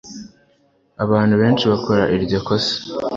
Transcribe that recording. abantu benshi bakora iryo kosa